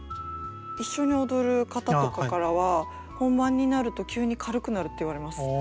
一緒に踊る方とかからは本番になると急に軽くなるって言われます。